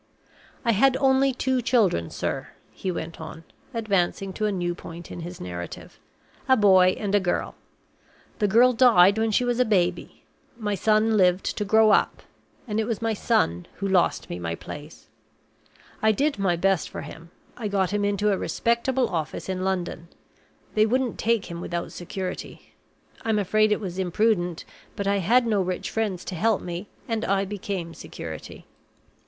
"I had only two children, sir," he went on, advancing to a new point in his narrative, "a boy and a girl. The girl died when she was a baby. My son lived to grow up; and it was my son who lost me my place. I did my best for him; I got him into a respectable office in London. They wouldn't take him without security. I'm afraid it was imprudent; but I had no rich friends to help me, and I became security.